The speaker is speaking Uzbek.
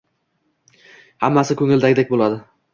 Hammasi ko`ngildagidek bo`ladi